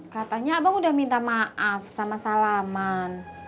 katanya abang udah minta maaf sama salaman